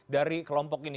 dari kelompok ini